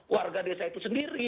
warga desa itu sendiri